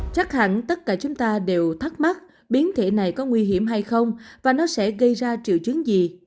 chắc hẳn tất cả chúng ta đều thắc mắc biến thể này có nguy hiểm hay không và nó sẽ gây ra triệu chứng gì